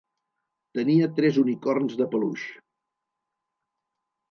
Tenia tres unicorns de peluix.